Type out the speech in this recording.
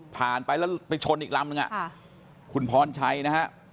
ไปแล้วไปชนอีกลำนึงคุณพรชัยนะฮะ